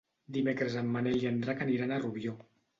Dimecres en Manel i en Drac aniran a Rubió.